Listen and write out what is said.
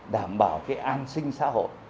đảm bảo an sinh xã hội